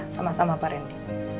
sama sama pak randy